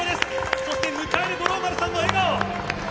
そして迎える五郎丸さんも笑顔。